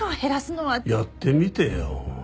やってみてよ。